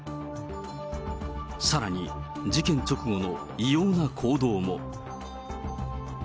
さらに事件直後の異様な行動も。